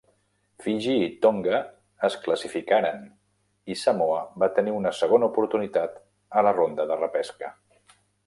Fiji i Tonga es classificaren, i Samoa va tenir una segona oportunitat a la ronda de repesca.